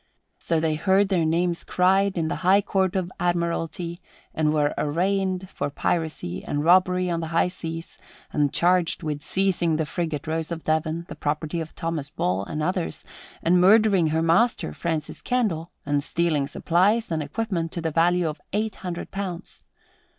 So they heard their names cried in the High Court of Admiralty and were arraigned for piracy and robbery on the high seas and charged with seizing the frigate Rose of Devon, the property of Thomas Ball and others, and murdering her master, Francis Candle, and stealing supplies and equipment to the value of eight hundred pounds.